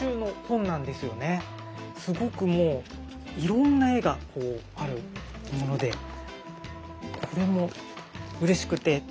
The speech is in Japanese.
すごくもういろんな絵があるものでこれもうれしくて。